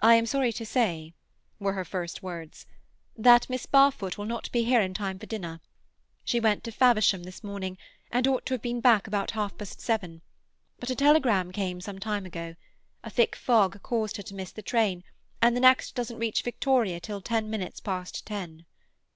"I am sorry to say," were her first words, "that Miss Barfoot will not be here in time for dinner. She went to Faversham this morning, and ought to have been back about half past seven. But a telegram came some time ago. A thick fog caused her to miss the train, and the next doesn't reach Victoria till ten minutes past ten."